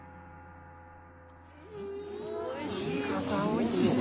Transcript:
おいしい。